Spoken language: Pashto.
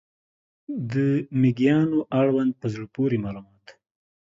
د مېږیانو اړوند په زړه پورې معلومات